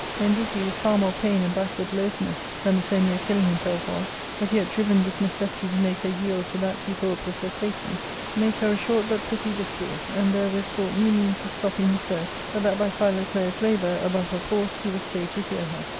Then did he, with far more pain and backward loathness than the so near killing himself was, but yet driven with necessity to make her yield to that he thought was her safety, make her a 428 ARCADIA> Book IV, short but pithy discourse, and therewith sought new means of stopping his breath, but that by Philoclea's labour, above her force, he was stayed to hear her.